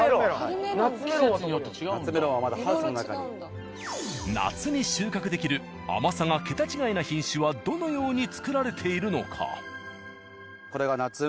夏メロンはまだ夏に収穫できる甘さが桁違いな品種はどのように作られているのか？